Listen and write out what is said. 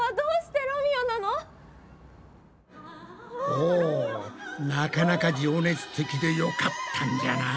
おなかなか情熱的でよかったんじゃない？